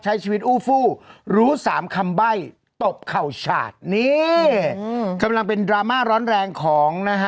ใช้ชีวิตอู้ฟู้รู้สามคำใบ้ตบเข่าฉาดนี่กำลังเป็นดราม่าร้อนแรงของนะฮะ